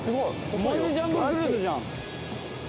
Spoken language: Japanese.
マジで『ジャングル・クルーズ』じゃん。